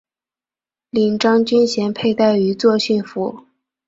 领章军衔佩戴于作训服。